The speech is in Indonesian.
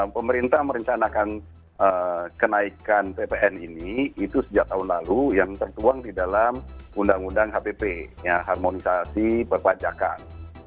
pemerintah merencanakan kenaikan ppn ini itu sejak tahun lalu yang tertuang di dalam undang undang hpp harmonisasi perpajakan